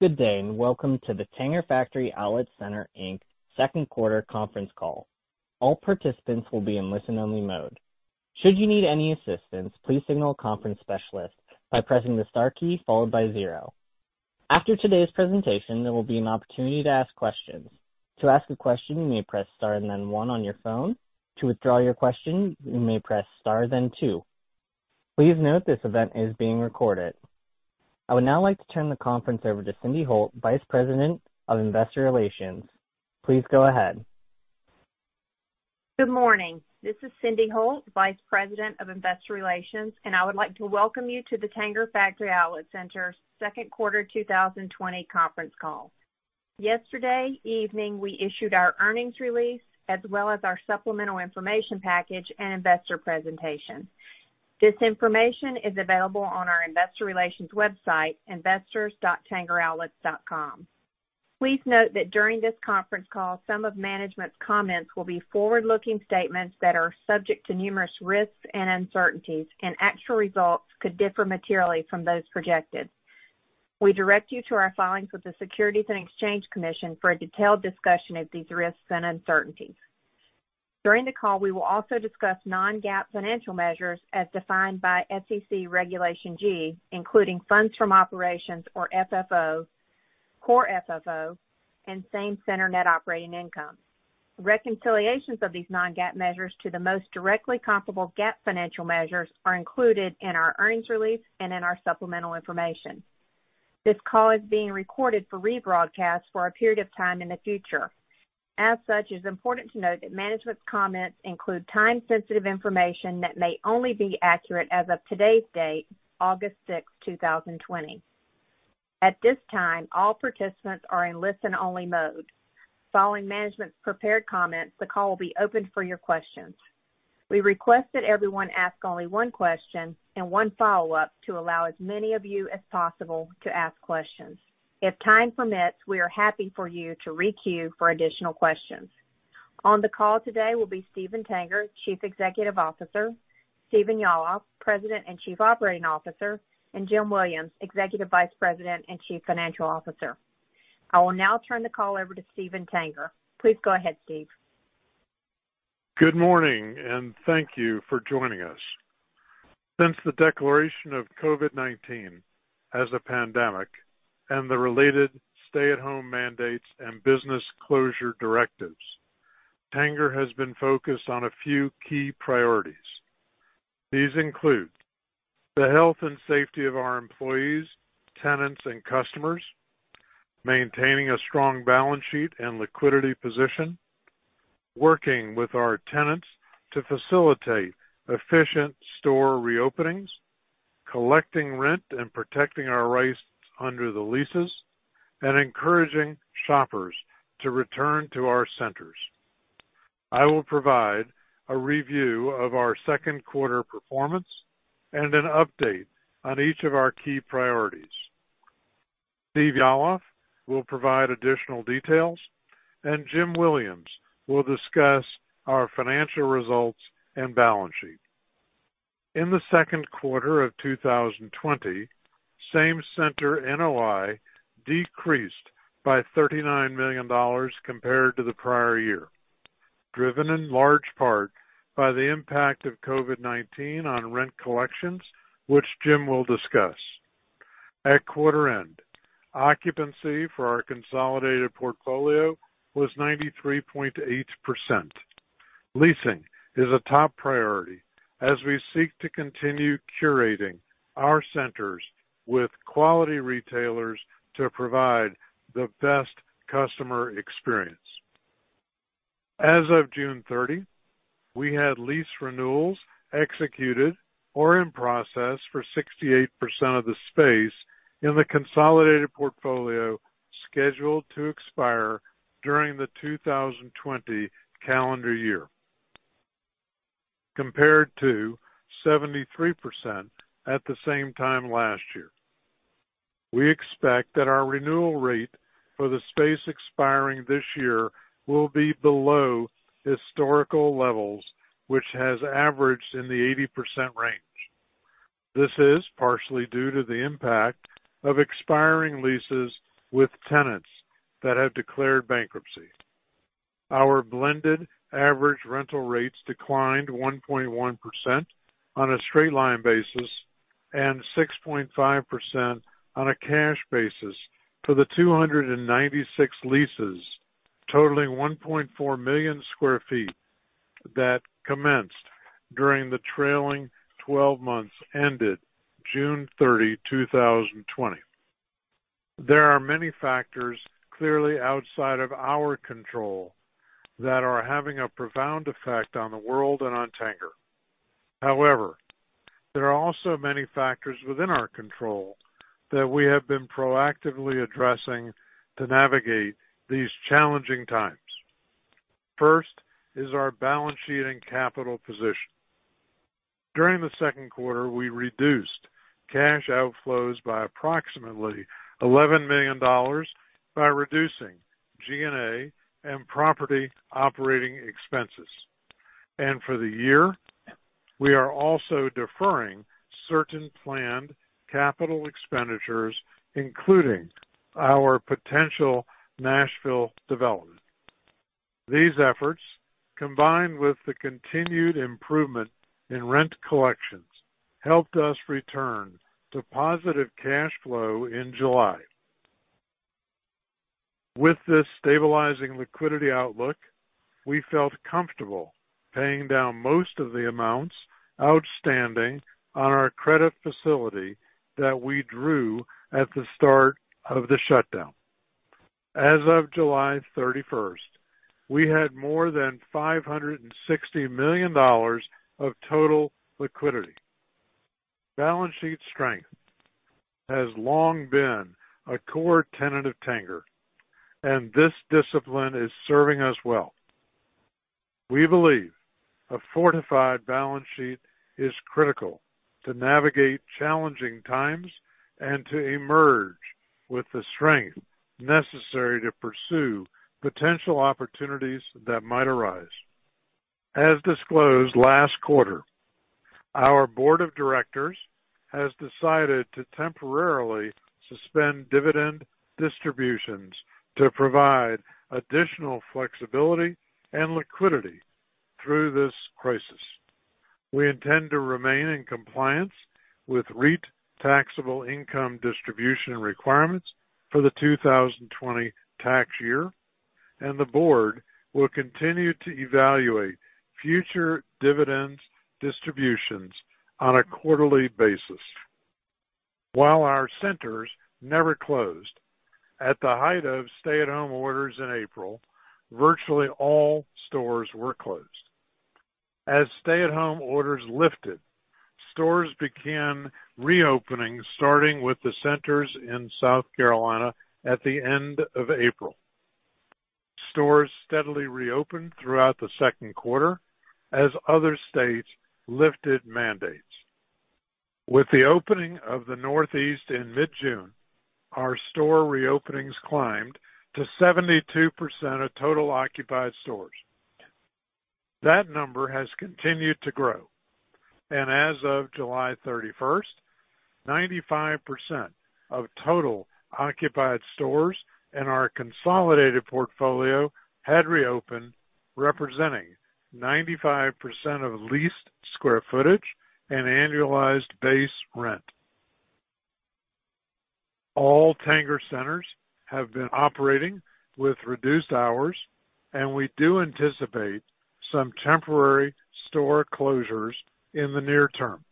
Good day, and welcome to the Tanger Factory Outlet Centers, Inc. second quarter conference call. All participants will be in listen-only mode. Should you need any assistance, please signal a conference specialist by pressing the star key followed by zero. After today's presentation, there will be an opportunity to ask questions. To ask a question, you may press star and then one on your phone. To withdraw your question, you may press star then two. Please note this event is being recorded. I would now like to turn the conference over to Cyndi Holt, Vice President of Investor Relations. Please go ahead. Good morning. This is Cyndi Holt, Vice President of Investor Relations. I would like to welcome you to the Tanger Factory Outlet Centers's second quarter 2020 conference call. Yesterday evening, we issued our earnings release as well as our supplemental information package and investor presentation. This information is available on our investor relations website, investors.tangeroutlets.com. Please note that during this conference call, some of management's comments will be forward-looking statements that are subject to numerous risks and uncertainties. Actual results could differ materially from those projected. We direct you to our filings with the Securities and Exchange Commission for a detailed discussion of these risks and uncertainties. During the call, we will also discuss non-GAAP financial measures as defined by SEC Regulation G, including funds from operations or FFO, Core FFO, and same-center net operating income. Reconciliations of these non-GAAP measures to the most directly comparable GAAP financial measures are included in our earnings release and in our supplemental information. This call is being recorded for rebroadcast for a period of time in the future. As such, it's important to note that management's comments include time-sensitive information that may only be accurate as of today's date, August sixth, 2020. At this time, all participants are in listen-only mode. Following management's prepared comments, the call will be opened for your questions. We request that everyone ask only one question and one follow-up to allow as many of you as possible to ask questions. If time permits, we are happy for you to re-queue for additional questions. On the call today will be Steven Tanger, Chief Executive Officer, Stephen Yalof, President and Chief Operating Officer, and Jim Williams, Executive Vice President and Chief Financial Officer. I will now turn the call over to Steven Tanger. Please go ahead, Steven. Good morning, and thank you for joining us. Since the declaration of COVID-19 as a pandemic and the related stay-at-home mandates and business closure directives, Tanger has been focused on a few key priorities. These include the health and safety of our employees, tenants, and customers, maintaining a strong balance sheet and liquidity position, working with our tenants to facilitate efficient store reopenings, collecting rent, and protecting our rights under the leases, and encouraging shoppers to return to our centers. I will provide a review of our second quarter performance and an update on each of our key priorities. Stephen Yalof will provide additional details, and Jim Williams will discuss our financial results and balance sheet. In the second quarter of 2020, Same-Store NOI decreased by $39 million compared to the prior year, driven in large part by the impact of COVID-19 on rent collections, which Jim will discuss. At quarter end, occupancy for our consolidated portfolio was 93.8%. Leasing is a top priority as we seek to continue curating our centers with quality retailers to provide the best customer experience. As of June 30, we had lease renewals executed or in process for 68% of the space in the consolidated portfolio scheduled to expire during the 2020 calendar year, compared to 73% at the same time last year. We expect that our renewal rate for the space expiring this year will be below historical levels, which has averaged in the 80% range. This is partially due to the impact of expiring leases with tenants that have declared bankruptcy. Our blended average rental rates declined 1.1% on a straight line basis and 6.5% on a cash basis for the 296 leases totaling 1.4 million square feet that commenced during the trailing 12 months ended June 30, 2020. There are many factors clearly outside of our control that are having a profound effect on the world and on Tanger. However, there are also many factors within our control that we have been proactively addressing to navigate these challenging times. First is our balance sheet and capital position. During the second quarter, we reduced cash outflows by approximately $11 million by reducing G&A and property operating expenses. For the year, we are also deferring certain planned capital expenditures, including our potential Nashville development. These efforts, combined with the continued improvement in rent collections, helped us return to positive cash flow in July. With this stabilizing liquidity outlook, we felt comfortable paying down most of the amounts outstanding on our credit facility that we drew at the start of the shutdown. As of July 31st, we had more than $560 million of total liquidity. Balance sheet strength has long been a core tenet of Tanger, and this discipline is serving us well. We believe a fortified balance sheet is critical to navigate challenging times and to emerge with the strength necessary to pursue potential opportunities that might arise. As disclosed last quarter, our board of directors has decided to temporarily suspend dividend distributions to provide additional flexibility and liquidity through this crisis. We intend to remain in compliance with REIT taxable income distribution requirements for the 2020 tax year, and the board will continue to evaluate future dividends distributions on a quarterly basis. While our centers never closed, at the height of stay-at-home orders in April, virtually all stores were closed. As stay-at-home orders lifted, stores began reopening, starting with the centers in South Carolina at the end of April. Stores steadily reopened throughout the second quarter as other states lifted mandates. With the opening of the Northeast in mid-June, our store reopenings climbed to 72% of total occupied stores. That number has continued to grow, and as of July 31st, 95% of total occupied stores in our consolidated portfolio had reopened, representing 95% of leased square footage and annualized base rent. All Tanger centers have been operating with reduced hours, and we do anticipate some temporary store closures in the near term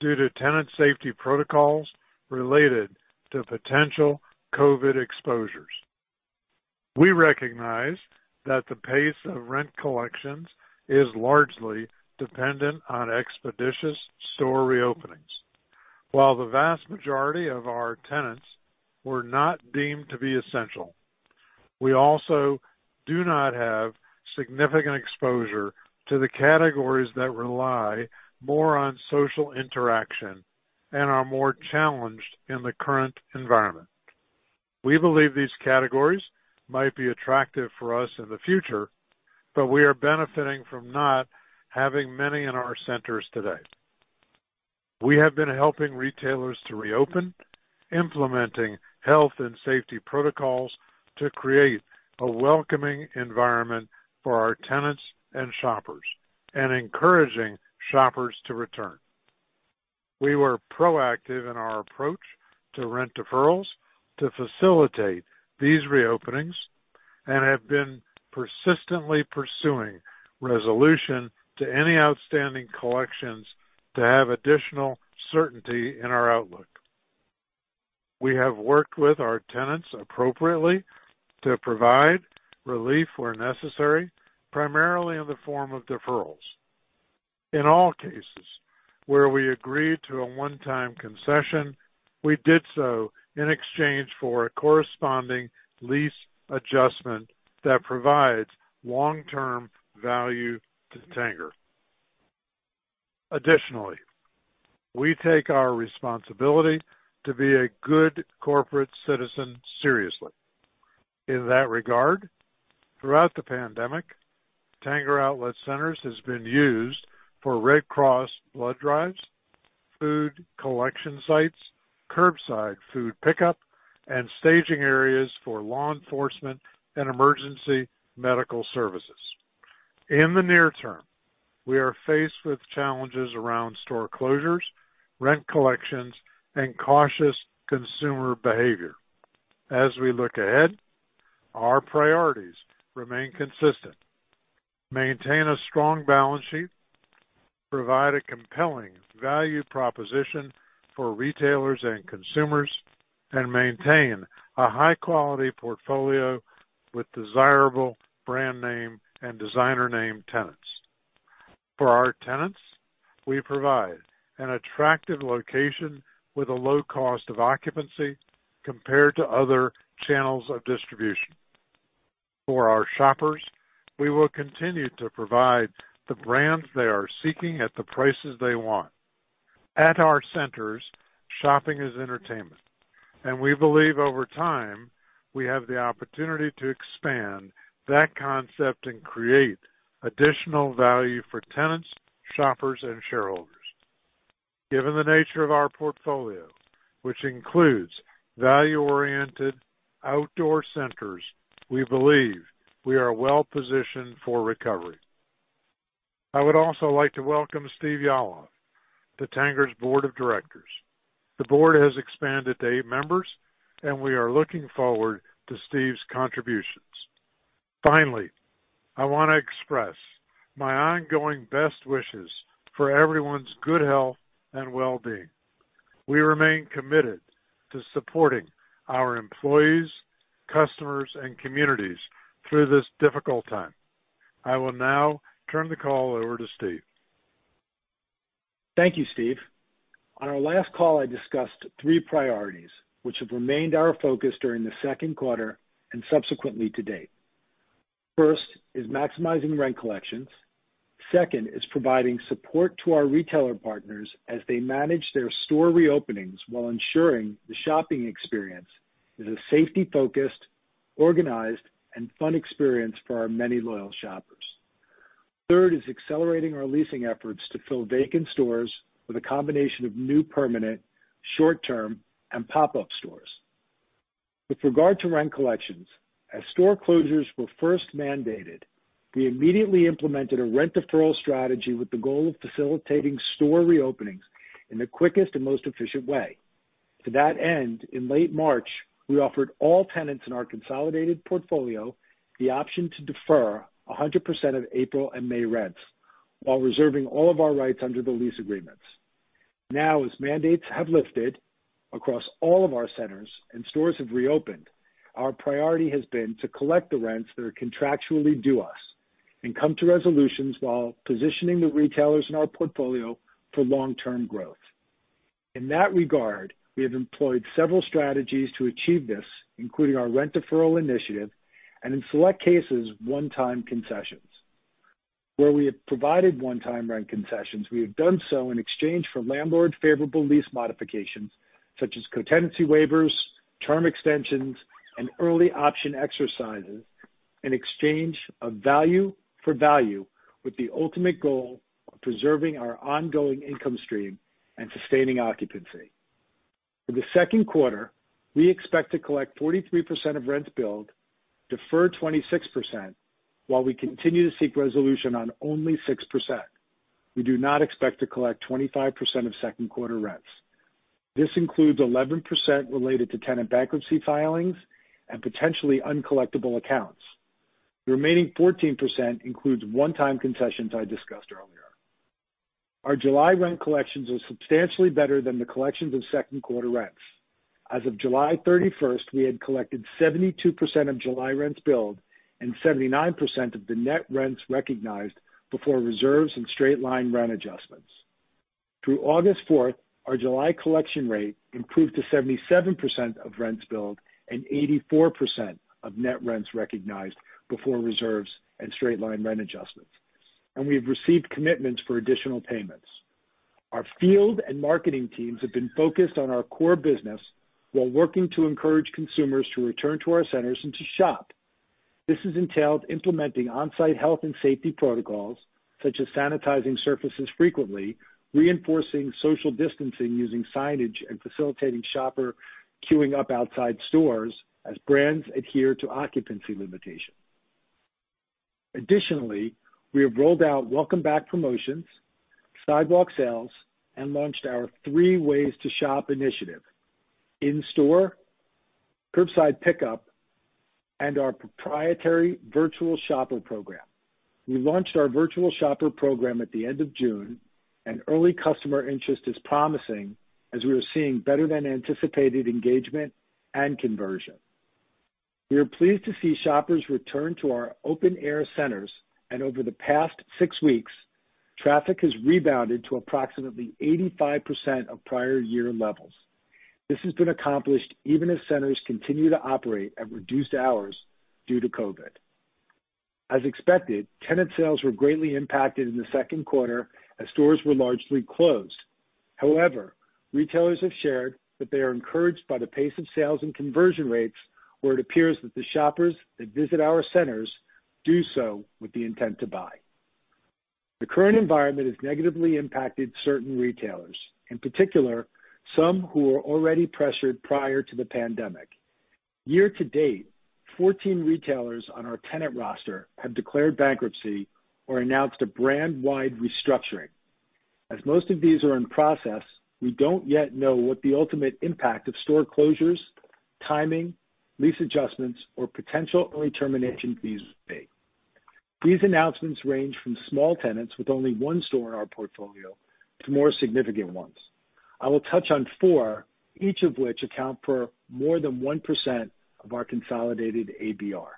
due to tenant safety protocols related to potential COVID exposures. We recognize that the pace of rent collections is largely dependent on expeditious store reopenings. While the vast majority of our tenants were not deemed to be essential, we also do not have significant exposure to the categories that rely more on social interaction and are more challenged in the current environment. We believe these categories might be attractive for us in the future, but we are benefiting from not having many in our centers today. We have been helping retailers to reopen, implementing health and safety protocols to create a welcoming environment for our tenants and shoppers, and encouraging shoppers to return. We were proactive in our approach to rent deferrals to facilitate these reopenings and have been persistently pursuing resolution to any outstanding collections to have additional certainty in our outlook. We have worked with our tenants appropriately to provide relief where necessary, primarily in the form of deferrals. In all cases where we agreed to a one-time concession, we did so in exchange for a corresponding lease adjustment that provides long-term value to Tanger. Additionally, we take our responsibility to be a good corporate citizen seriously. In that regard, throughout the pandemic, Tanger Outlet Centers has been used for American Red Cross blood drives, food collection sites, curbside food pickup, and staging areas for law enforcement and emergency medical services. In the near term, we are faced with challenges around store closures, rent collections, and cautious consumer behavior. As we look ahead, our priorities remain consistent. Maintain a strong balance sheet, provide a compelling value proposition for retailers and consumers, and maintain a high-quality portfolio with desirable brand name and designer name tenants. For our tenants, we provide an attractive location with a low cost of occupancy compared to other channels of distribution. For our shoppers, we will continue to provide the brands they are seeking at the prices they want. At our centers, shopping is entertainment, and we believe over time, we have the opportunity to expand that concept and create additional value for tenants, shoppers, and shareholders. Given the nature of our portfolio, which includes value-oriented outdoor centers, we believe we are well-positioned for recovery. I would also like to welcome Stephen Yalof to Tanger's board of directors. The board has expanded to eight members, and we are looking forward to Steve's contributions. Finally, I want to express my ongoing best wishes for everyone's good health and well-being. We remain committed to supporting our employees, customers, and communities through this difficult time. I will now turn the call over to Stephen. Thank you, Steven. On our last call, I discussed three priorities, which have remained our focus during the second quarter and subsequently to date. First is maximizing rent collections. Second is providing support to our retailer partners as they manage their store reopenings while ensuring the shopping experience is a safety-focused, organized, and fun experience for our many loyal shoppers. Third is accelerating our leasing efforts to fill vacant stores with a combination of new permanent, short-term, and pop-up stores. With regard to rent collections, as store closures were first mandated, we immediately implemented a rent deferral strategy with the goal of facilitating store reopenings in the quickest and most efficient way. To that end, in late March, we offered all tenants in our consolidated portfolio the option to defer 100% of April and May rents while reserving all of our rights under the lease agreements. Now, as mandates have lifted across all of our centers and stores have reopened, our priority has been to collect the rents that are contractually due us and come to resolutions while positioning the retailers in our portfolio for long-term growth. In that regard, we have employed several strategies to achieve this, including our rent deferral initiative, and in select cases, one-time concessions. Where we have provided one-time rent concessions, we have done so in exchange for landlord favorable lease modifications such as co-tenancy waivers, term extensions, and early option exercises in exchange of value for value with the ultimate goal of preserving our ongoing income stream and sustaining occupancy. For the second quarter, we expect to collect 43% of rents billed, defer 26%, while we continue to seek resolution on only 6%. We do not expect to collect 25% of second quarter rents. This includes 11% related to tenant bankruptcy filings and potentially uncollectible accounts. The remaining 14% includes one-time concessions I discussed earlier. Our July rent collections were substantially better than the collections of second quarter rents. As of July 31st, we had collected 72% of July rents billed and 79% of the net rents recognized before reserves and straight-line rent adjustments. Through August 4th, our July collection rate improved to 77% of rents billed and 84% of net rents recognized before reserves and straight-line rent adjustments, and we have received commitments for additional payments. Our field and marketing teams have been focused on our core business while working to encourage consumers to return to our centers and to shop. This has entailed implementing on-site health and safety protocols, such as sanitizing surfaces frequently, reinforcing social distancing using signage, and facilitating shopper queuing up outside stores as brands adhere to occupancy limitations. Additionally, we have rolled out welcome back promotions, sidewalk sales, and launched our Three Ways to Shop initiative, in-store, curbside pickup, and our proprietary Virtual Shopper program. We launched our Virtual Shopper program at the end of June. Early customer interest is promising as we are seeing better than anticipated engagement and conversion. We are pleased to see shoppers return to our open-air centers. Over the past six weeks, traffic has rebounded to approximately 85% of prior year levels. This has been accomplished even as centers continue to operate at reduced hours due to COVID. As expected, tenant sales were greatly impacted in the second quarter as stores were largely closed. However, retailers have shared that they are encouraged by the pace of sales and conversion rates, where it appears that the shoppers that visit our centers do so with the intent to buy. The current environment has negatively impacted certain retailers, in particular, some who were already pressured prior to the pandemic. Year-to-date, 14 retailers on our tenant roster have declared bankruptcy or announced a brand-wide restructuring. As most of these are in process, we don't yet know what the ultimate impact of store closures, timing, lease adjustments, or potential early termination fees will be. These announcements range from small tenants with only one store in our portfolio to more significant ones. I will touch on four, each of which account for more than 1% of our consolidated ABR.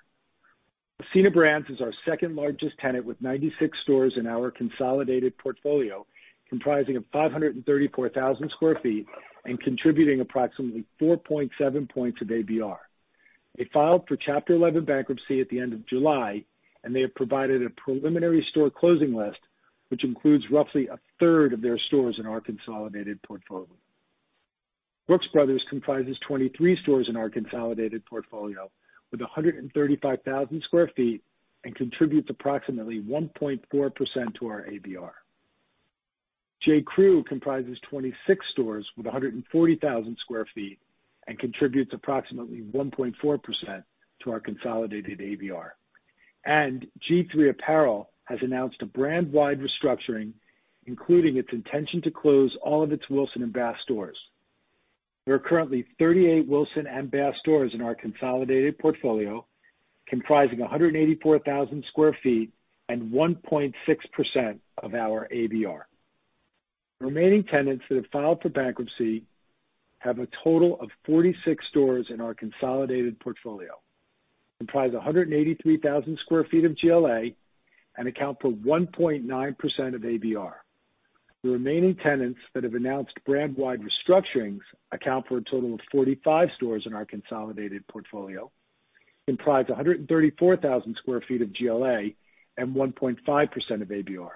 Ascena Brands is our second-largest tenant with 96 stores in our consolidated portfolio, comprising of 534,000 sq ft and contributing approximately 4.7 points of ABR. They filed for Chapter 11 bankruptcy at the end of July, and they have provided a preliminary store closing list, which includes roughly a third of their stores in our consolidated portfolio. Brooks Brothers comprises 23 stores in our consolidated portfolio with 135,000 sq ft and contributes approximately 1.4% to our ABR. J.Crew comprises 26 stores with 140,000 sq ft and contributes approximately 1.4% to our consolidated ABR. G-III Apparel has announced a brand-wide restructuring, including its intention to close all of its Wilsons Leather and G.H. Bass stores. There are currently 38 Wilsons Leather and G.H. Bass stores in our consolidated portfolio, comprising 184,000 sq ft and 1.6% of our ABR. Remaining tenants that have filed for bankruptcy have a total of 46 stores in our consolidated portfolio, comprise 183,000 sq ft of GLA, and account for 1.9% of ABR. The remaining tenants that have announced brand-wide restructurings account for a total of 45 stores in our consolidated portfolio, comprise 134,000 sq ft of GLA, and 1.5% of ABR.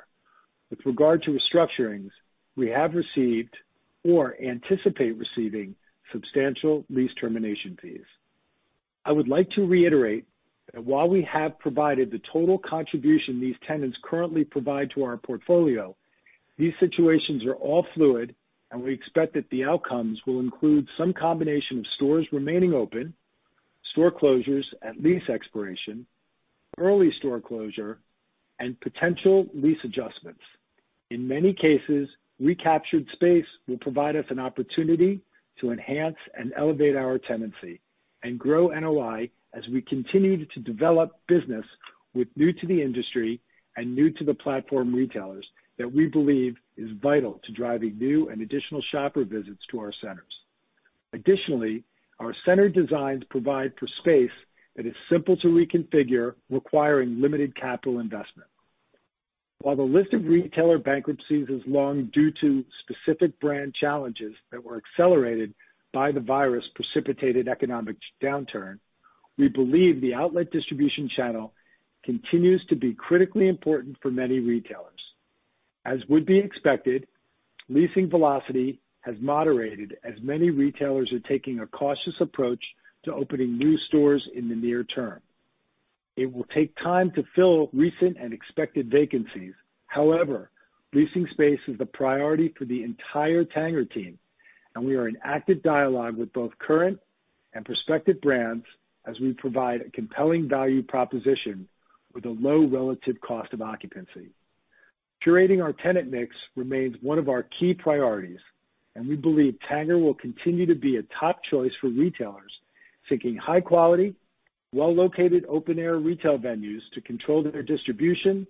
With regard to restructurings, we have received or anticipate receiving substantial lease termination fees. I would like to reiterate that while we have provided the total contribution these tenants currently provide to our portfolio, these situations are all fluid, and we expect that the outcomes will include some combination of stores remaining open, store closures at lease expiration, early store closure, and potential lease adjustments. In many cases, recaptured space will provide us an opportunity to enhance and elevate our tenancy and grow NOI as we continue to develop business with new to the industry and new to the platform retailers that we believe is vital to driving new and additional shopper visits to our centers. Additionally, our center designs provide for space that is simple to reconfigure, requiring limited capital investment. While the list of retailer bankruptcies is long due to specific brand challenges that were accelerated by the virus-precipitated economic downturn, we believe the outlet distribution channel continues to be critically important for many retailers. As would be expected, leasing velocity has moderated as many retailers are taking a cautious approach to opening new stores in the near term. It will take time to fill recent and expected vacancies. However, leasing space is the priority for the entire Tanger team, and we are in active dialogue with both current and prospective brands as we provide a compelling value proposition with a low relative cost of occupancy. Curating our tenant mix remains one of our key priorities, and we believe Tanger will continue to be a top choice for retailers seeking high quality, well-located, open-air retail venues to control their distribution,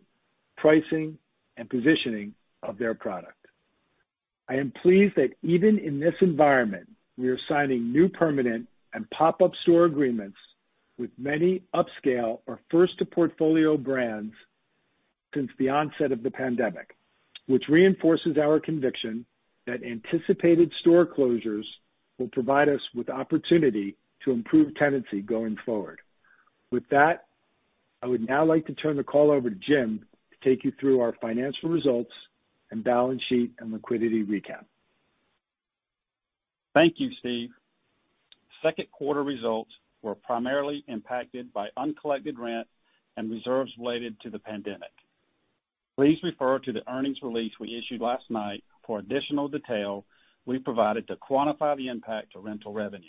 pricing, and positioning of their product. I am pleased that even in this environment, we are signing new permanent and pop-up store agreements with many upscale or first-to-portfolio brands since the onset of the pandemic, which reinforces our conviction that anticipated store closures will provide us with opportunity to improve tenancy going forward. With that, I would now like to turn the call over to Jim to take you through our financial results and balance sheet and liquidity recap. Thank you, Stephen. Second quarter results were primarily impacted by uncollected rent and reserves related to the pandemic. Please refer to the earnings release we issued last night for additional detail we provided to quantify the impact to rental revenues.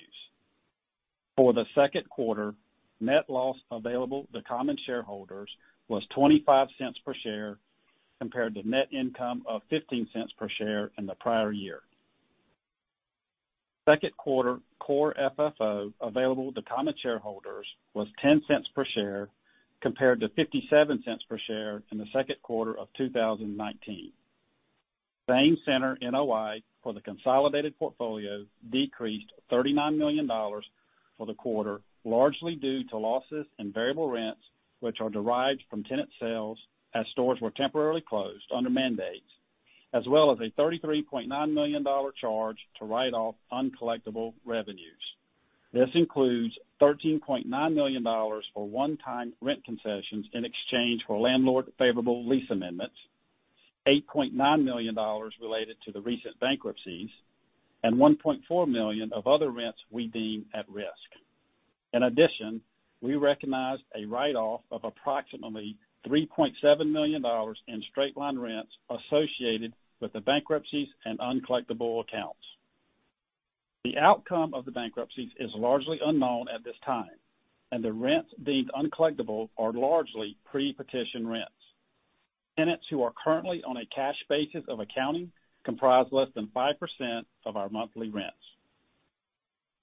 For the Second quarter, net loss available to common shareholders was $0.25 per share compared to net income of $0.15 per share in the prior year. Second quarter Core FFO available to common shareholders was $0.10 per share compared to $0.57 per share in the second quarter of 2019. Same-Store NOI for the consolidated portfolio decreased $39 million for the quarter, largely due to losses in variable rents, which are derived from tenant sales as stores were temporarily closed under mandates, as well as a $33.9 million charge to write off uncollectible revenues. This includes $13.9 million for one-time rent concessions in exchange for landlord favorable lease amendments, $8.9 million related to the recent bankruptcies, and $1.4 million of other rents we deem at risk. In addition, we recognized a write-off of approximately $3.7 million in straight-line rents associated with the bankruptcies and uncollectible accounts. The outcome of the bankruptcies is largely unknown at this time, and the rents deemed uncollectible are largely pre-petition rents. Tenants who are currently on a cash basis of accounting comprise less than 5% of our monthly rents.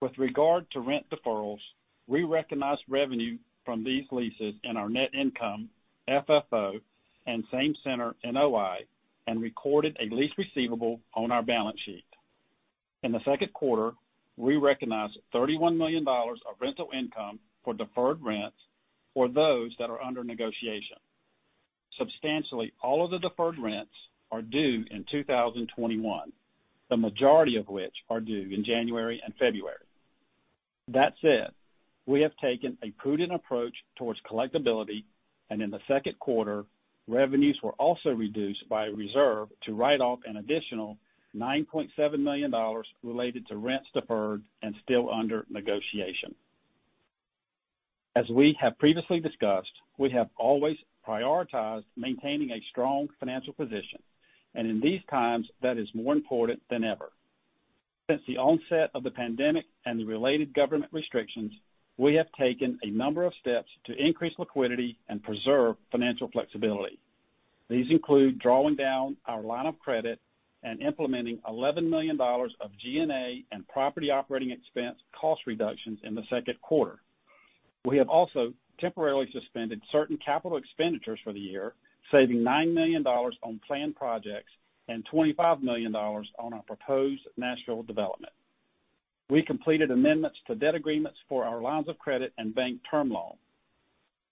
With regard to rent deferrals, we recognized revenue from these leases in our net income, FFO, and Same-Store NOI and recorded a lease receivable on our balance sheet. In the second quarter, we recognized $31 million of rental income for deferred rents for those that are under negotiation. Substantially all of the deferred rents are due in 2021, the majority of which are due in January and February. That said, we have taken a prudent approach towards collectability, and in the second quarter, revenues were also reduced by a reserve to write off an additional $9.7 million related to rents deferred and still under negotiation. As we have previously discussed, we have always prioritized maintaining a strong financial position, and in these times, that is more important than ever. Since the onset of the pandemic and the related government restrictions, we have taken a number of steps to increase liquidity and preserve financial flexibility. These include drawing down our line of credit and implementing $11 million of G&A and property operating expense cost reductions in the second quarter. We have also temporarily suspended certain capital expenditures for the year, saving $9 million on planned projects and $25 million on our proposed Nashville development. We completed amendments to debt agreements for our lines of credit and bank term loan.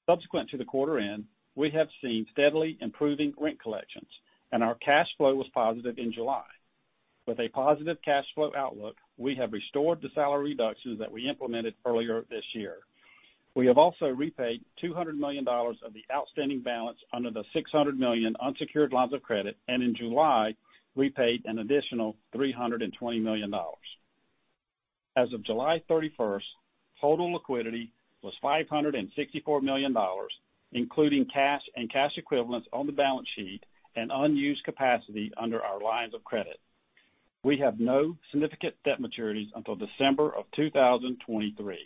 Subsequent to the quarter end, we have seen steadily improving rent collections, and our cash flow was positive in July. With a positive cash flow outlook, we have restored the salary reductions that we implemented earlier this year. We have also repaid $200 million of the outstanding balance under the $600 million unsecured lines of credit, and in July, repaid an additional $320 million. As of July 31st, total liquidity was $564 million, including cash and cash equivalents on the balance sheet and unused capacity under our lines of credit. We have no significant debt maturities until December of 2023.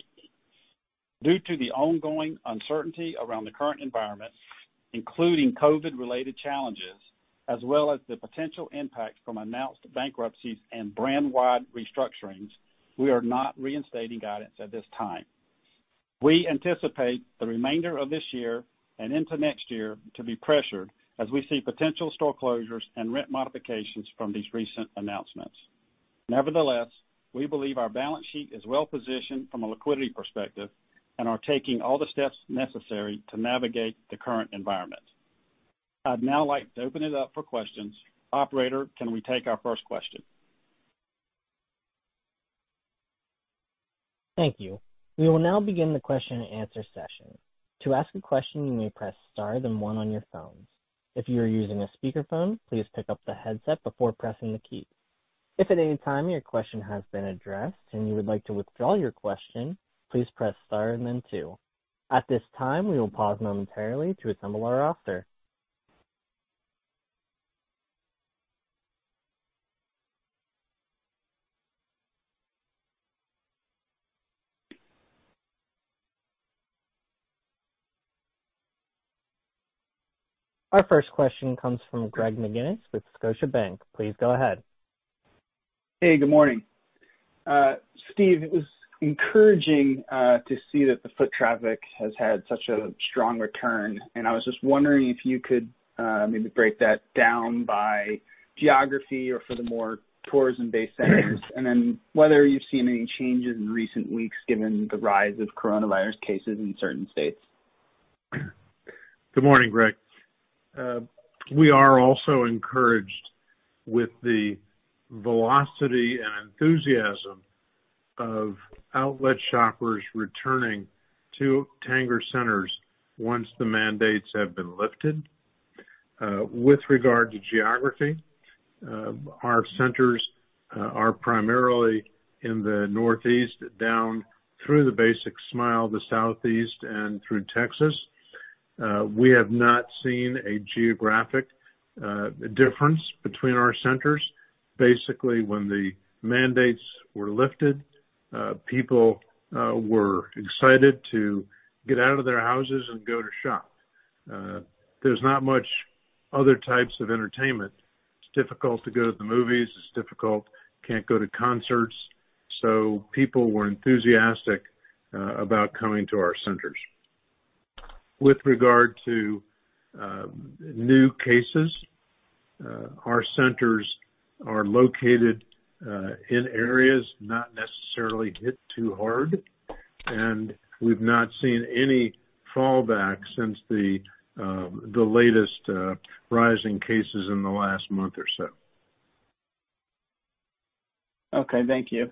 Due to the ongoing uncertainty around the current environment, including COVID-related challenges, as well as the potential impact from announced bankruptcies and brand-wide restructurings, we are not reinstating guidance at this time. We anticipate the remainder of this year and into next year to be pressured as we see potential store closures and rent modifications from these recent announcements. Nevertheless, we believe our balance sheet is well-positioned from a liquidity perspective and are taking all the steps necessary to navigate the current environment. I'd now like to open it up for questions. Operator, can we take our first question? Thank you. We will now begin the question and answer session. To ask a question, you may press star, then one on your phone. If you are using a speakerphone, please pick up the headset before pressing the key. If at any time your question has been addressed and you would like to withdraw your question, please press star and then two. At this time, we will pause momentarily to assemble our roster. Our first question comes from Greg McGinniss with Scotiabank. Please go ahead. Hey, good morning. Steve, it was encouraging to see that the foot traffic has had such a strong return, and I was just wondering if you could maybe break that down by geography or for the more tourism-based centers, and then whether you've seen any changes in recent weeks given the rise of coronavirus cases in certain states. Good morning, Greg. We are also encouraged with the velocity and enthusiasm of outlet shoppers returning to Tanger centers once the mandates have been lifted. With regard to geography, our centers are primarily in the northeast down through the basic smile, the southeast, and through Texas. We have not seen a geographic difference between our centers. Basically, when the mandates were lifted, people were excited to get out of their houses and go to shop. There's not much other types of entertainment. It's difficult to go to the movies. It's difficult can't go to concerts. People were enthusiastic about coming to our centers. With regard to new cases, our centers are located in areas not necessarily hit too hard, and we've not seen any fallback since the latest rise in cases in the last month or so. Okay, thank you.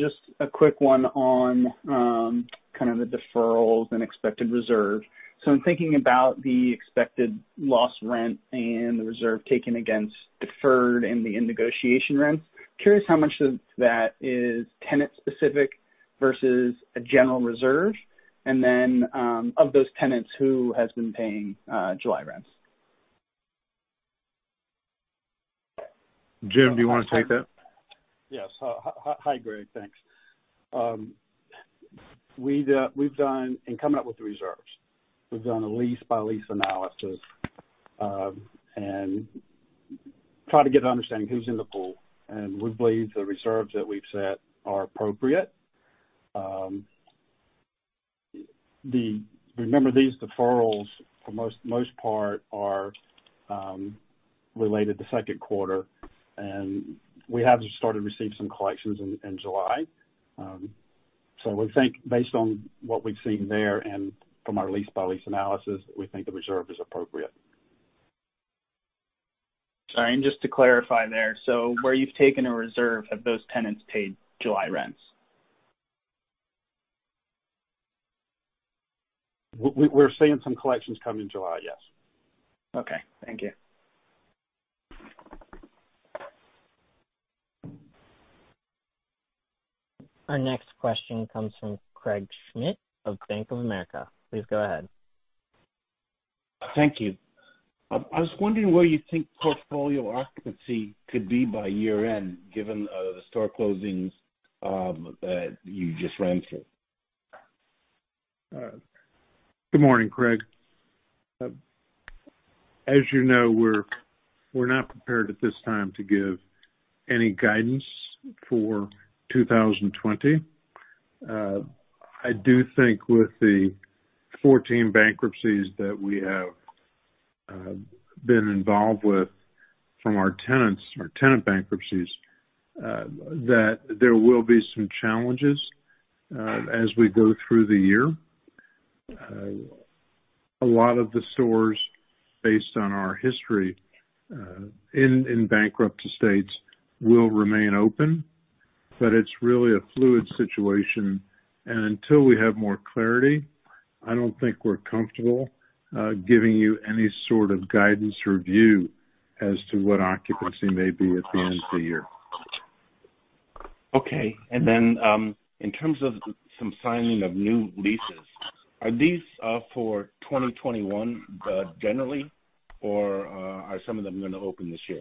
Just a quick one on kind of the deferrals and expected reserve. I'm thinking about the expected loss rent and the reserve taken against deferred and the in-negotiation rents. Curious how much of that is tenant-specific versus a general reserve. Of those tenants, who has been paying July rents? Jim, do you want to take that? Yes. Hi, Greg. Thanks. In coming up with the reserves, we've done a lease-by-lease analysis, and try to get an understanding of who's in the pool. We believe the reserves that we've set are appropriate. Remember, these deferrals, for the most part, are related to second quarter, and we have just started to receive some collections in July. We think based on what we've seen there and from our lease analysis, we think the reserve is appropriate. Sorry, and just to clarify there, so where you've taken a reserve, have those tenants paid July rents? We're seeing some collections come in July, yes. Okay. Thank you. Our next question comes from Craig Schmidt of Bank of America. Please go ahead. Thank you. I was wondering where you think portfolio occupancy could be by year-end, given the store closings that you just ran through. Good morning, Craig. As you know, we're not prepared at this time to give any guidance for 2020. I do think with the 14 bankruptcies that we have been involved with from our tenants, our tenant bankruptcies, that there will be some challenges as we go through the year. A lot of the stores, based on our history in bankruptcy states, will remain open, but it's really a fluid situation, and until we have more clarity, I don't think we're comfortable giving you any sort of guidance or view as to what occupancy may be at the end of the year. Okay. Then, in terms of some signing of new leases, are these for 2021 generally, or are some of them going to open this year?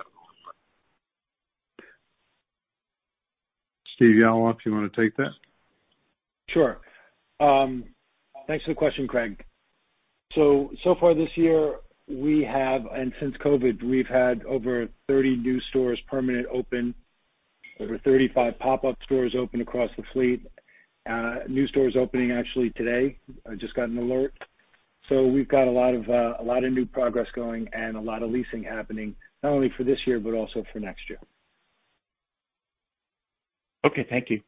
Stephen Yalof, do you want to take that? Sure. Thanks for the question, Craig. So far this year, we have, and since COVID, we've had over 30 new stores permanently open, over 35 pop-up stores open across the fleet. A new store is opening actually today. I just got an alert. We've got a lot of new progress going and a lot of leasing happening, not only for this year, but also for next year. Okay. Thank you.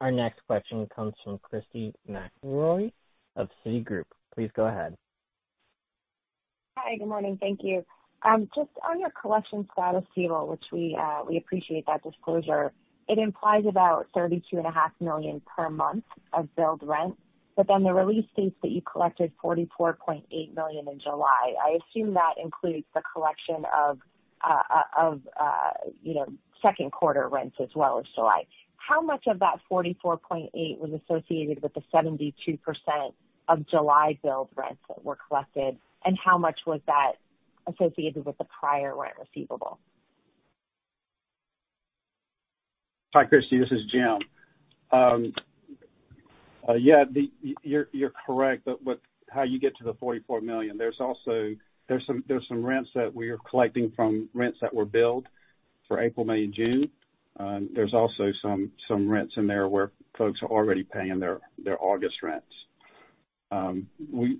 Our next question comes from Christy McElroy of Citigroup. Please go ahead. Hi. Good morning. Thank you. On your collection status table, which we appreciate that disclosure, it implies about $32.5 million per month of billed rent. The release states that you collected $44.8 million in July. I assume that includes the collection of second quarter rents as well as July. How much of that 44.8 was associated with the 72% of July billed rents that were collected, and how much was that associated with the prior rent receivable? Hi, Christy. This is Jim. Yeah, you're correct with how you get to the $44 million. There's some rents that we are collecting from rents that were billed for April, May, and June. There's also some rents in there where folks are already paying their August rents.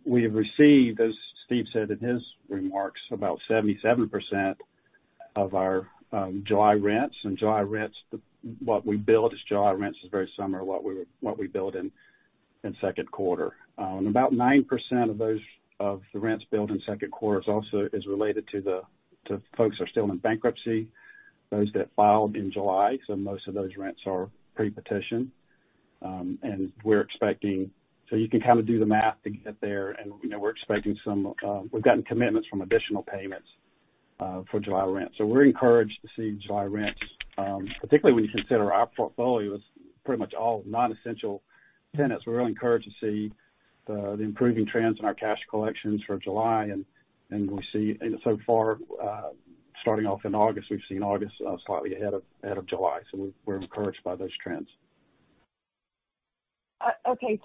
We have received, as Steve said in his remarks, about 77% of our July rents. July rents, what we bill as July rents is very similar to what we billed in the second quarter. About 9% of the rents billed in the second quarter also is related to the folks who are still in bankruptcy, those that filed in July. Most of those rents are pre-petition. You can kind of do the math to get there, and we've gotten commitments from additional payments for July rent. We're encouraged to see July rents, particularly when you consider our portfolio is pretty much all non-essential tenants. We're really encouraged to see the improving trends in our cash collections for July. We see so far, starting off in August, we've seen August slightly ahead of July. We're encouraged by those trends. Okay.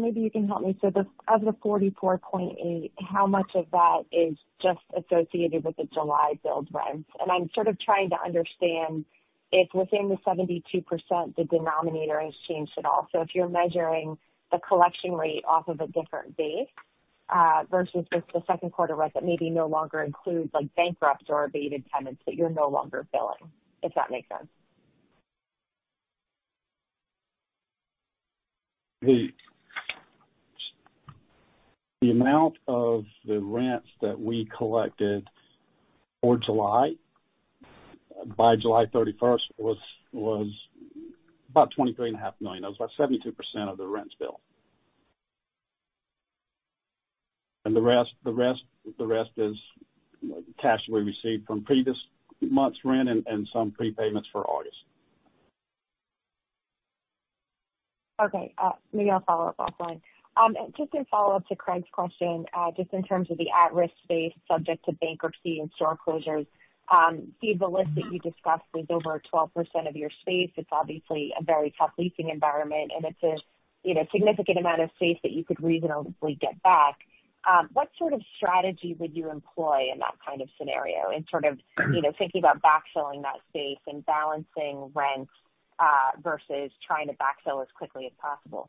Maybe you can help me. Of the $44.8, how much of that is just associated with the July billed rents? I'm sort of trying to understand if within the 72%, the denominator has changed at all. If you're measuring the collection rate off of a different base versus just the second quarter rent that maybe no longer includes bankrupt or abated tenants that you're no longer billing, if that makes sense. The amount of the rents that we collected for July by July 31st was about $23.5 million. That was about 72% of the rents billed. The rest is cash we received from the previous month's rent and some prepayments for August. Okay. Maybe I'll follow up offline. Just in follow-up to Craig's question, just in terms of the at-risk space subject to bankruptcy and store closures. Steve, the list that you discussed was over 12% of your space. It's obviously a very tough leasing environment, and it's a significant amount of space that you could reasonably get back. What sort of strategy would you employ in that kind of scenario in sort of thinking about backfilling that space and balancing rents versus trying to backfill as quickly as possible?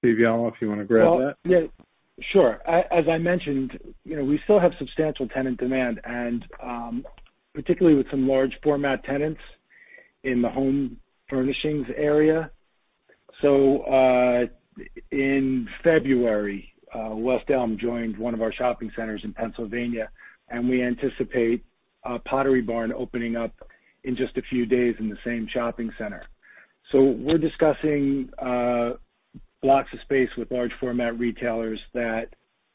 Stephen Yalof, if you want to grab that. Sure. As I mentioned, we still have substantial tenant demand, and particularly with some large format tenants in the home furnishings area. In February, West Elm joined one of our shopping centers in Pennsylvania, and we anticipate Pottery Barn opening up in just a few days in the same shopping center. We're discussing blocks of space with large format retailers that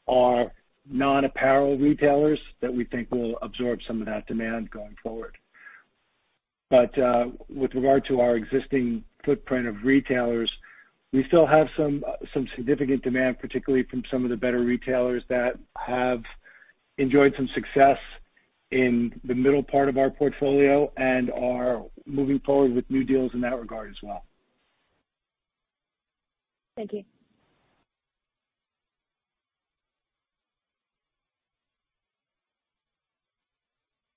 are non-apparel retailers that we think will absorb some of that demand going forward. With regard to our existing footprint of retailers, we still have some significant demand, particularly from some of the better retailers that have enjoyed some success in the middle part of our portfolio and are moving forward with new deals in that regard as well. Thank you.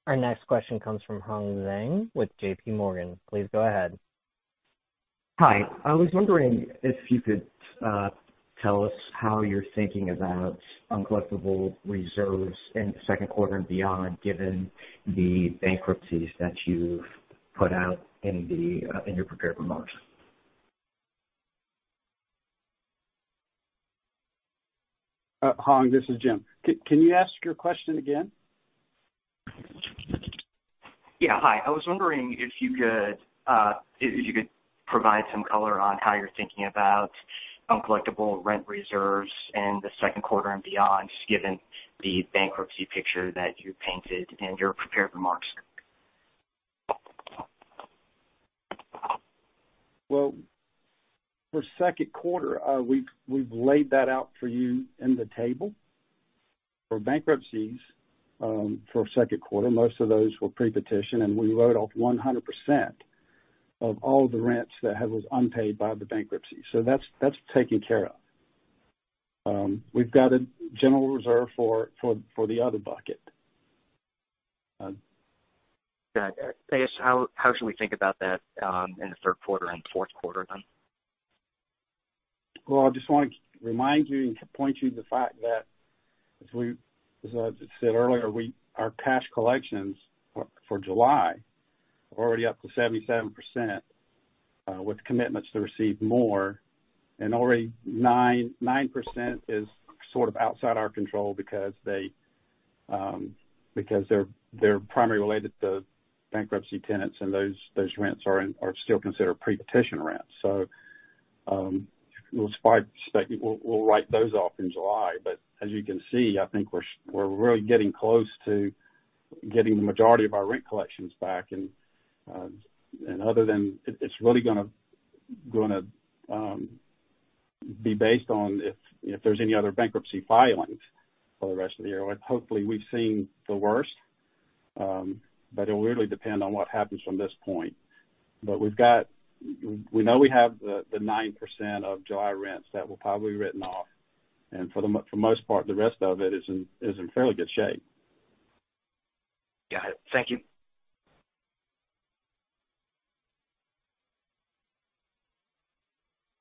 Our next question comes from Han Li with JPMorgan. Please go ahead. Hi. I was wondering if you could tell us how you're thinking about uncollectible reserves in the second quarter and beyond, given the bankruptcies that you've put out in your prepared remarks? Han, this is Jim. Can you ask your question again? Yeah. Hi. I was wondering if you could provide some color on how you're thinking about uncollectible rent reserves in the second quarter and beyond, just given the bankruptcy picture that you painted in your prepared remarks. For second quarter, we've laid that out for you in the table. For bankruptcies for second quarter, most of those were pre-petition, and we wrote off 100% of all the rents that was unpaid by the bankruptcy. That's taken care of. We've got a general reserve for the other bucket. Got it. How should we think about that in the third quarter and fourth quarter then? Well, I just want to remind you and point you to the fact that, as I said earlier, our cash collections for July are already up to 77%, with commitments to receive more, and already 9% is sort of outside our control because they're primarily related to bankruptcy tenants, and those rents are still considered pre-petition rents. We'll write those off in July. As you can see, I think we're really getting close to getting the majority of our rent collections back, and other than It's really going to be based on if there's any other bankruptcy filings for the rest of the year. Hopefully, we've seen the worst, but it will really depend on what happens from this point. We know we have the 9% of July rents that were probably written off, and for the most part, the rest of it is in fairly good shape. Got it. Thank you.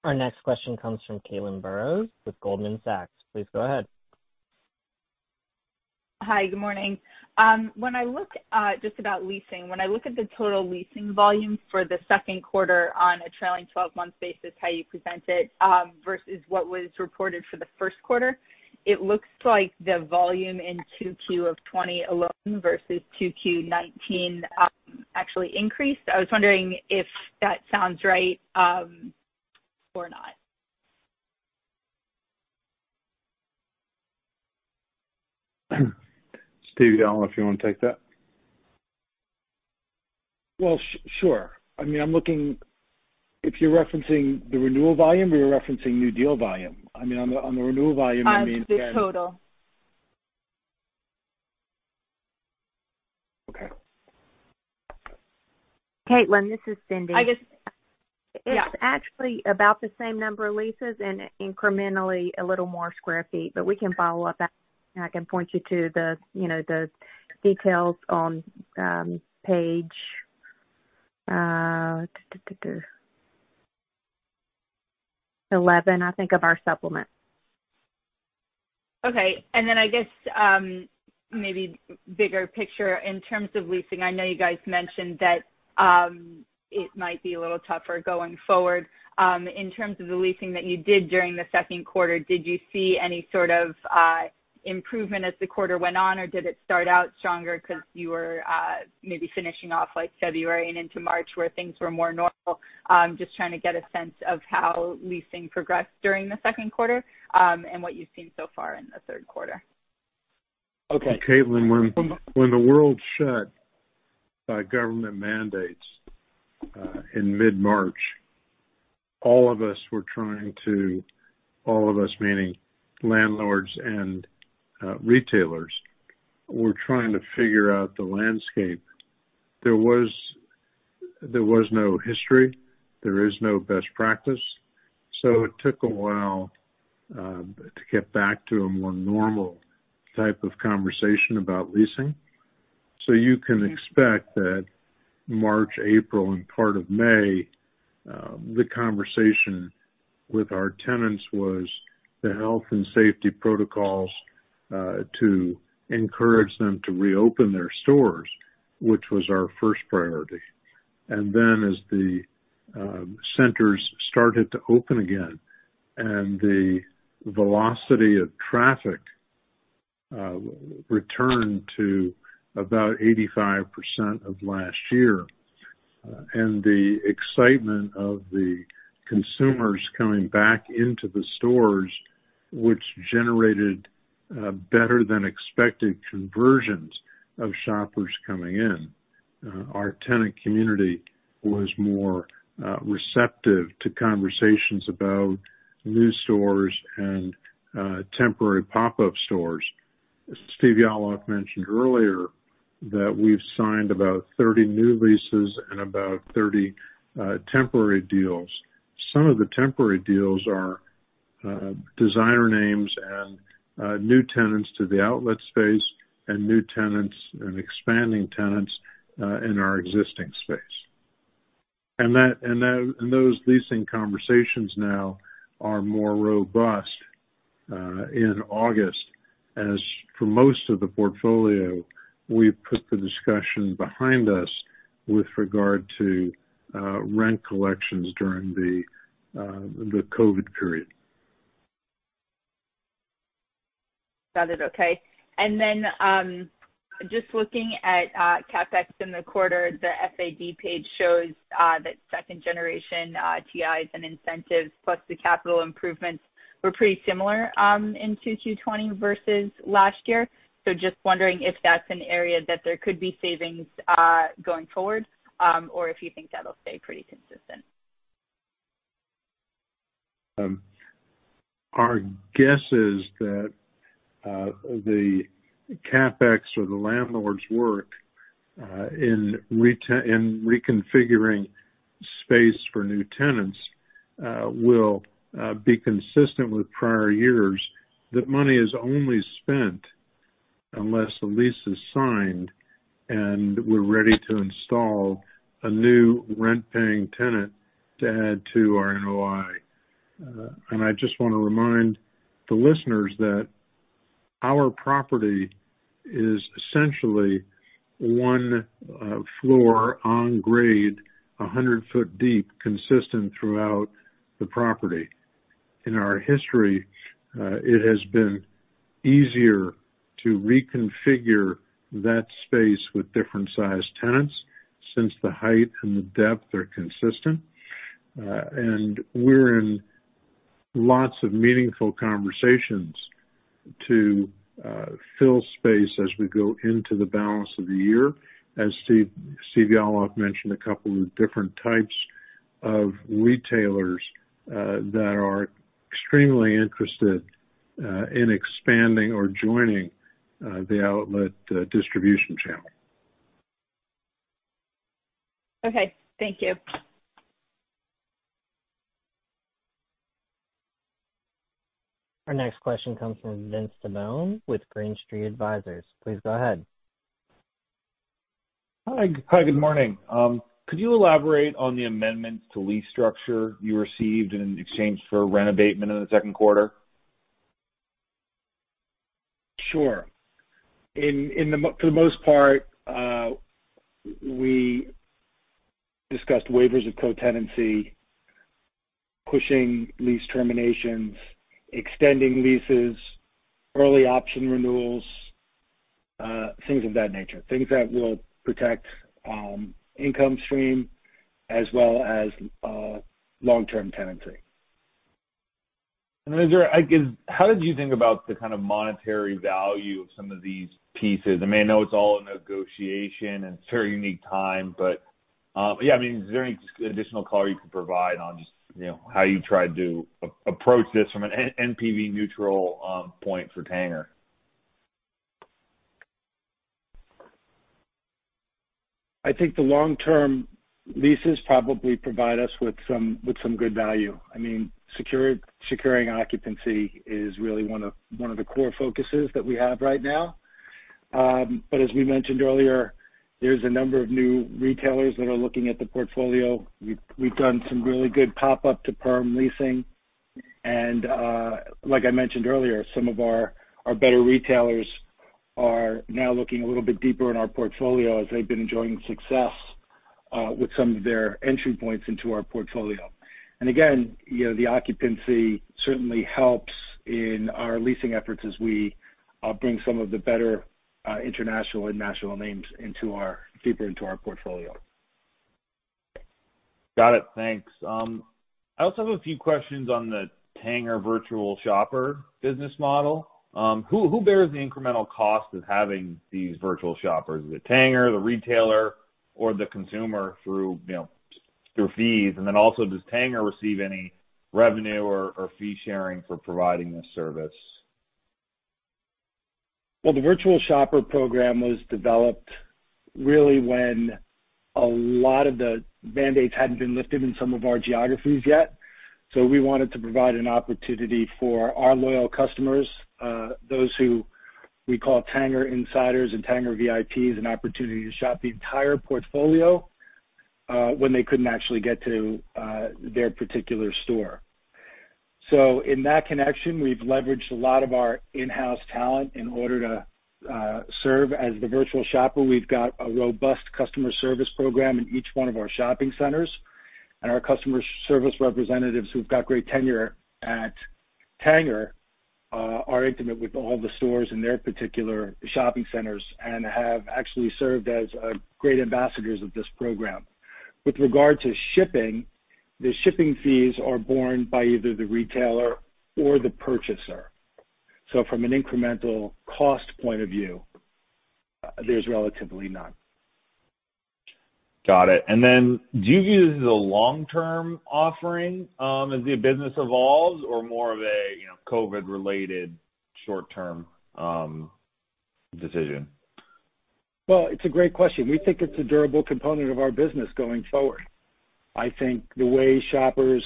Our next question comes from Caitlin Burrows with Goldman Sachs. Please go ahead. Hi. Good morning. Just about leasing, when I look at the total leasing volume for the second quarter on a trailing 12-month basis, how you present it versus what was reported for the first quarter, it looks like the volume in 2Q of 2020 alone versus 2Q 2019 actually increased. I was wondering if that sounds right or not. Stephen Yalof, if you want to take that. Well, sure. If you're referencing the renewal volume or you're referencing new deal volume? On the renewal volume, I mean- The total. Okay. Caitlin, this is Cyndi. I guess, yeah. It's actually about the same number of leases and incrementally a little more square feet, but we can follow up, and I can point you to the details on page 11, I think, of our supplement. Okay. Then, I guess, maybe bigger picture in terms of leasing, I know you guys mentioned that it might be a little tougher going forward. In terms of the leasing that you did during the second quarter, did you see any sort of improvement as the quarter went on, or did it start out stronger because you were maybe finishing off February and into March, where things were more normal? Just trying to get a sense of how leasing progressed during the second quarter and what you've seen so far in the third quarter. Okay. Caitlin, when the world shut by government mandates in mid-March, all of us meaning landlords and retailers, were trying to figure out the landscape. There was no history. There is no best practice. It took a while to get back to a more normal type of conversation about leasing. You can expect that March, April, and part of May, the conversation with our tenants was the health and safety protocols to encourage them to reopen their stores, which was our first priority. As the centers started to open again and the velocity of traffic returned to about 85% of last year, and the excitement of the consumers coming back into the stores, which generated better than expected conversions of shoppers coming in, our tenant community was more receptive to conversations about new stores and temporary pop-up stores. Stephen Yalof mentioned earlier that we've signed about 30 new leases and about 30 temporary deals. Some of the temporary deals are designer names and new tenants to the outlet space and new tenants and expanding tenants in our existing space. Those leasing conversations now are more robust in August, as for most of the portfolio, we've put the discussion behind us with regard to rent collections during the COVID period. Got it. Okay. Just looking at CapEx in the quarter, the FAD page shows that second-generation TIs and incentives, plus the capital improvements, were pretty similar in 2Q20 versus last year. Just wondering if that's an area that there could be savings going forward, or if you think that'll stay pretty consistent. Our guess is that the CapEx or the landlord's work in reconfiguring space for new tenants will be consistent with prior years. That money is only spent unless a lease is signed and we're ready to install a new rent-paying tenant to add to our NOI. I just want to remind the listeners that our property is essentially one floor on grade, 100 foot deep, consistent throughout the property. In our history, it has been easier to reconfigure that space with different sized tenants since the height and the depth are consistent. We're in lots of meaningful conversations to fill space as we go into the balance of the year. As Stephen Yalof mentioned, a couple of different types of retailers that are extremely interested in expanding or joining the outlet distribution channel. Okay. Thank you. Our next question comes from Vince Tibone with Green Street Advisors. Please go ahead. Hi. Good morning. Could you elaborate on the amendments to lease structure you received in exchange for rent abatement in the second quarter? Sure. For the most part, we discussed waivers of co-tenancy, pushing lease terminations, extending leases, early option renewals, things of that nature, things that will protect income stream as well as long-term tenancy. How did you think about the kind of monetary value of some of these pieces? I know it's all a negotiation and it's a very unique time, but is there any additional color you could provide on just how you tried to approach this from an NPV neutral point for Tanger? I think the long-term leases probably provide us with some good value. Securing occupancy is really one of the core focuses that we have right now. As we mentioned earlier, there's a number of new retailers that are looking at the portfolio. We've done some really good pop-up to perm leasing and, like I mentioned earlier, some of our better retailers are now looking a little bit deeper in our portfolio as they've been enjoying success with some of their entry points into our portfolio. Again, the occupancy certainly helps in our leasing efforts as we bring some of the better international and national names deeper into our portfolio. Got it. Thanks. I also have a few questions on the Tanger Virtual Shopper business model. Who bears the incremental cost of having these Virtual Shoppers? Is it Tanger, the retailer, or the consumer through fees? Does Tanger receive any revenue or fee sharing for providing this service? Well, the Virtual Shopper program was developed really when a lot of the band-aids hadn't been lifted in some of our geographies yet, so we wanted to provide an opportunity for our loyal customers, those who we call Tanger Insiders and Tanger VIPs, an opportunity to shop the entire portfolio when they couldn't actually get to their particular store. In that connection, we've leveraged a lot of our in-house talent in order to serve as the virtual shopper. We've got a robust customer service program in each one of our shopping centers. Our customer service representatives who've got great tenure at Tanger are intimate with all the stores in their particular shopping centers and have actually served as great ambassadors of this program. With regard to shipping, the shipping fees are borne by either the retailer or the purchaser. From an incremental cost point of view, there's relatively none. Got it. Do you view this as a long-term offering as the business evolves or more of a COVID-related short-term decision? It's a great question. We think it's a durable component of our business going forward. I think the way shoppers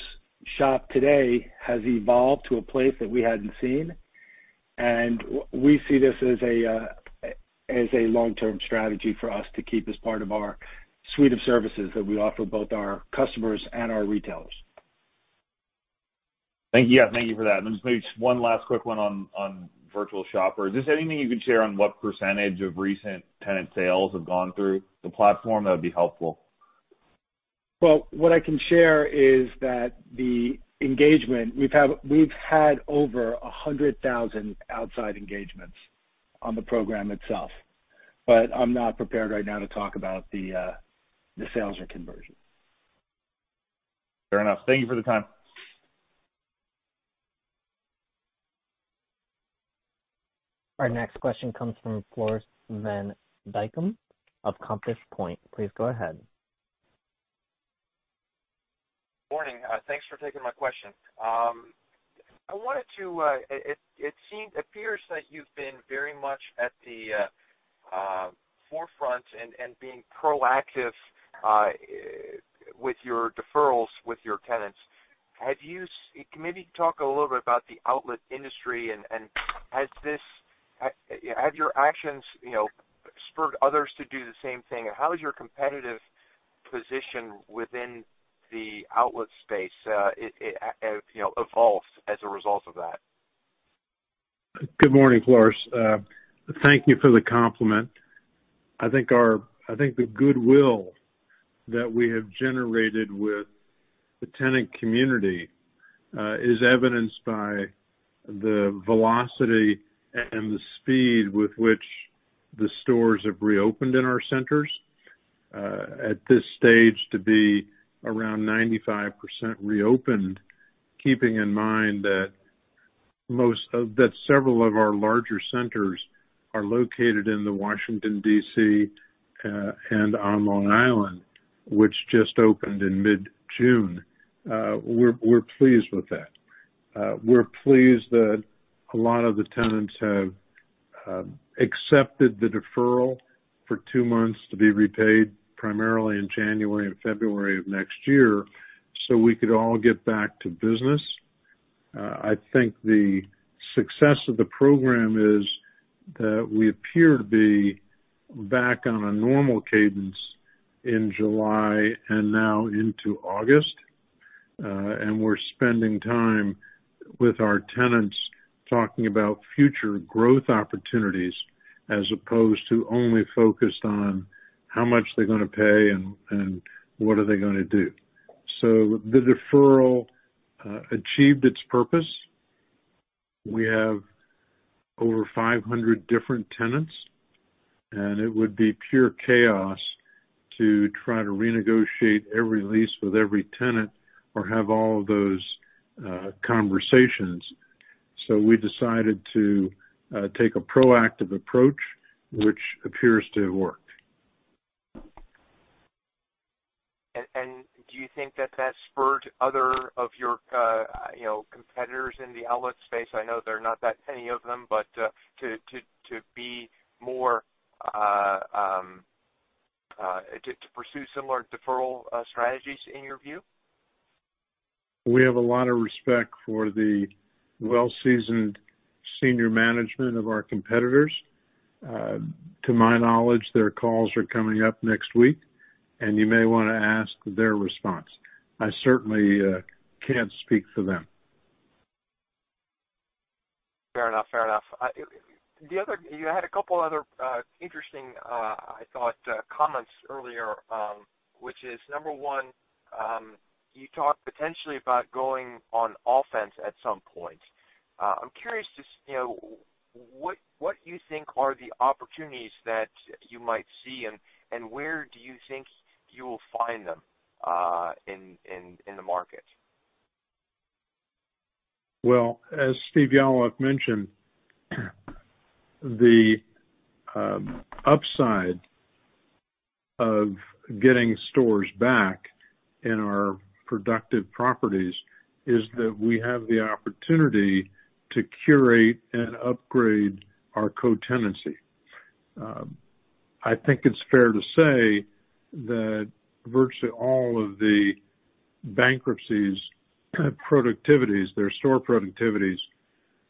shop today has evolved to a place that we hadn't seen, and we see this as a long-term strategy for us to keep as part of our suite of services that we offer both our customers and our retailers. Thank you for that. Then just maybe just one last quick one on Virtual Shopper. Is there anything you can share on what percentage of recent tenant sales have gone through the platform? That would be helpful. Well, what I can share is that the engagement, we've had over 100,000 outside engagements on the program itself. I'm not prepared right now to talk about the sales or conversion. Fair enough. Thank you for the time. Our next question comes from Floris van Dijkum of Compass Point. Please go ahead. Morning. Thanks for taking my question. It appears that you've been very much at the forefront and being proactive with your deferrals with your tenants. Can you maybe talk a little bit about the outlet industry, and have your actions spurred others to do the same thing? How has your competitive position within the outlet space evolved as a result of that? Good morning, Floris. Thank you for the compliment. I think the goodwill that we have generated with the tenant community is evidenced by the velocity and the speed with which the stores have reopened in our centers. At this stage, to be around 95% reopened, keeping in mind that several of our larger centers are located in the Washington, D.C., and on Long Island, which just opened in mid-June. We're pleased with that. We're pleased that a lot of the tenants have accepted the deferral for two months to be repaid primarily in January and February of next year, so we could all get back to business. I think the success of the program is that we appear to be back on a normal cadence in July and now into August. We're spending time with our tenants, talking about future growth opportunities, as opposed to only focused on how much they're going to pay and what are they going to do. The deferral achieved its purpose. We have over 500 different tenants, and it would be pure chaos to try to renegotiate every lease with every tenant or have all of those conversations. We decided to take a proactive approach, which appears to have worked. Do you think that that spurred other of your competitors in the outlet space? I know there are not that many of them. To pursue similar deferral strategies in your view? We have a lot of respect for the well-seasoned senior management of our competitors. To my knowledge, their calls are coming up next week, and you may want to ask their response. I certainly can't speak for them. Fair enough. You had a couple other interesting, I thought, comments earlier. Number one, you talked potentially about going on offense at some point. I'm curious just what you think are the opportunities that you might see, and where do you think you'll find them in the market? Well, as Stephen Yalof mentioned, the upside of getting stores back in our productive properties is that we have the opportunity to curate and upgrade our co-tenancy. I think it's fair to say that virtually all of the bankruptcies productivities, their store productivities,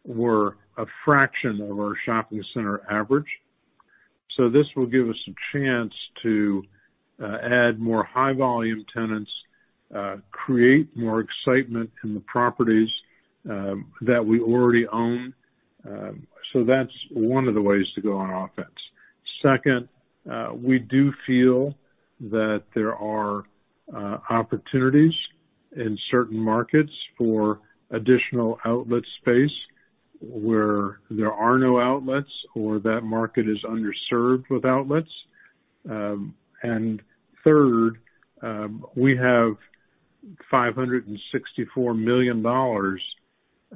were a fraction of our shopping center average. This will give us a chance to add more high volume tenants, create more excitement in the properties that we already own. That's one of the ways to go on offense. Second, we do feel that there are opportunities in certain markets for additional outlet space where there are no outlets or that market is underserved with outlets. Third, we have $564 million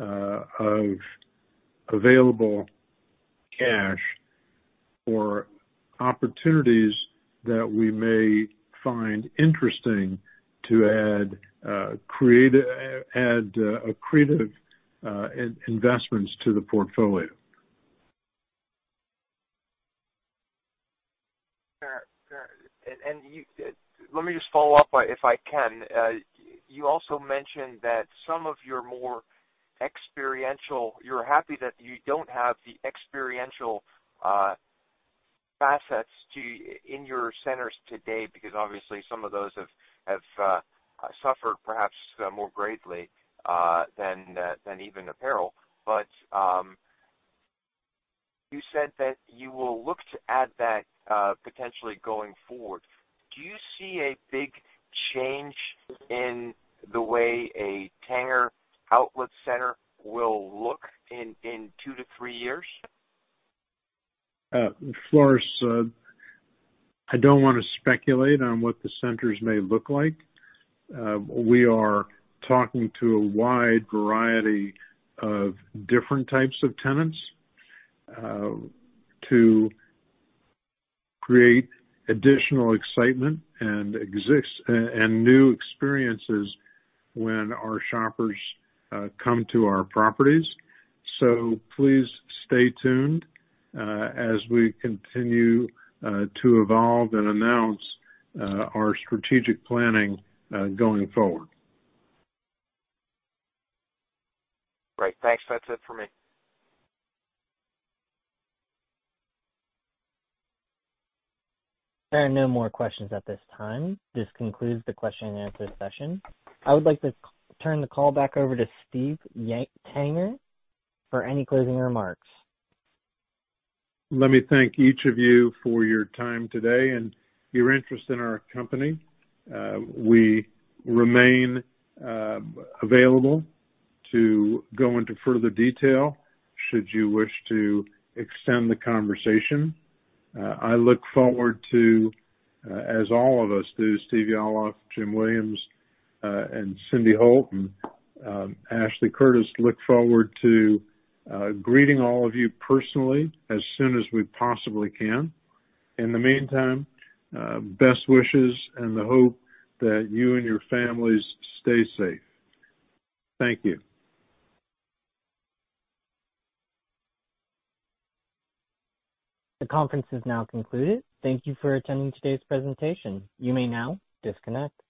of available cash for opportunities that we may find interesting to add accretive investments to the portfolio. Fair. Let me just follow up if I can. You also mentioned that some of your more experiential, you're happy that you don't have the experiential facets in your centers today, because obviously some of those have suffered perhaps more greatly than even apparel. You said that you will look to add that potentially going forward. Do you see a big change in the way a Tanger Outlet center will look in two to three years? Floris, I don't want to speculate on what the centers may look like. We are talking to a wide variety of different types of tenants, to create additional excitement and new experiences when our shoppers come to our properties. Please stay tuned as we continue to evolve and announce our strategic planning going forward. Great. Thanks. That's it for me. There are no more questions at this time. This concludes the question and answer session. I would like to turn the call back over to Steven Tanger for any closing remarks. Let me thank each of you for your time today and your interest in our company. We remain available to go into further detail should you wish to extend the conversation. I look forward to, as all of us do, Stephen Yalof, Jim Williams, and Cyndi Holt, and Ashley Curtis look forward to greeting all of you personally as soon as we possibly can. In the meantime, best wishes and the hope that you and your families stay safe. Thank you. The conference is now concluded. Thank you for attending today's presentation. You may now disconnect.